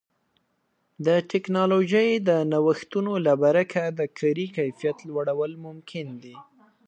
د ټکنالوژۍ د نوښتونو له برکه د کاري کیفیت لوړول ممکن دي.